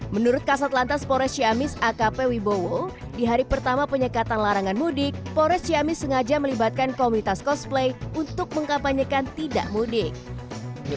menurut kasat lantas polres ciamis akp wibowo di hari pertama penyekatan larangan mudik pores ciamis sengaja melibatkan komunitas cosplay untuk mengkapanyekan tidak mudik